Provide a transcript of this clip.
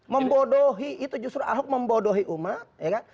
membodohi itu justru ahok membodohi umat